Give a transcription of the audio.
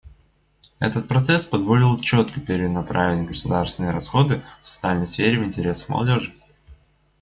Этот процесс позволил четко перенаправить государственные расходы в социальной сфере в интересах молодежи.